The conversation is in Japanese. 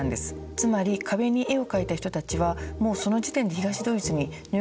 つまり壁に絵を描いた人たちはもうその時点で東ドイツに入国してたんですよ。